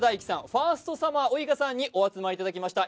ファーストサマーウイカさんにお集まりいただきました